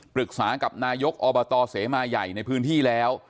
ปรึกษากับนายกอบตเสมาใหญ่ในพื้นที่แล้ว